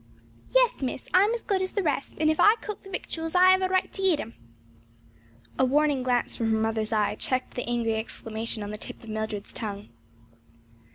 "Yes, Miss, I'm as good as the rest; and if I cook the victuals I 'ave a right to eat 'em." A warning glance from her mother's eye checked the angry exclamation on the tip of Mildred's tongue.